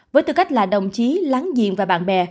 với tư cách là đồng chí láng giềng và bạn bè